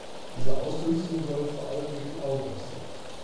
Diese Ausdünstungen sollen vor allem durch die Augen austreten.